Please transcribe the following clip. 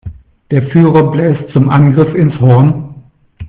Der Führer bläst zum Angriff ins Horn.